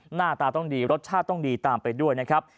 หน้าตาต้องดีรสชาติต้องดีตามไปด้วยนะครับ